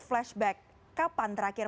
flashback kapan terakhir